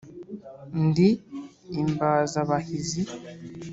Ndi imbabazabahizi